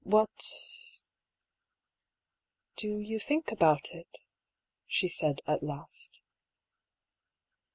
"What — you think about it?" she said, at last.